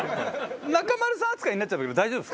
中丸さん扱いになっちゃうけど大丈夫ですか？